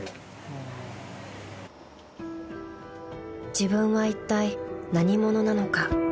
［自分はいったい何者なのか］